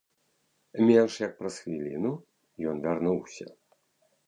Менш як праз хвіліну ён вярнуўся.